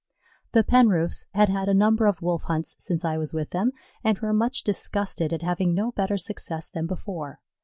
The Penroofs had had a number of Wolf hunts since I was with them, and were much disgusted at having no better success than before.